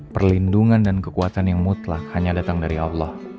perlindungan dan kekuatan yang mutlak hanya datang dari allah